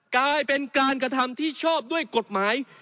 กลายเป็นการกระทำที่ชอบด้วยกฎหมาย